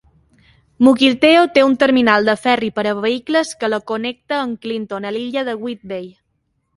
Mukilteo té un terminal de ferri per a vehicles que la connecta amb Clinton, a l'illa de Whidbey.